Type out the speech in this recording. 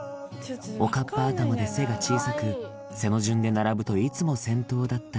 おかっぱ頭で背が小さく背の順で並ぶといつも先頭だった